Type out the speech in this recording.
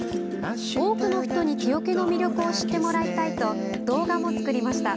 多くの人に木おけの魅力を知ってもらいたいと動画も作りました。